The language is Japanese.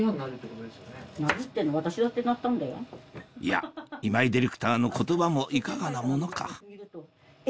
いや今井ディレクターの言葉もいかがなものかえ！